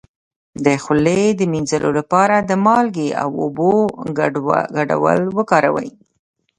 د خولې د مینځلو لپاره د مالګې او اوبو ګډول وکاروئ